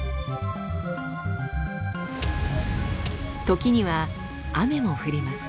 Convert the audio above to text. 時には雨も降ります。